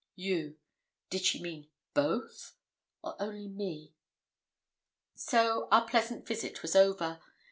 You; did she mean both, or only me? So our pleasant visit was over.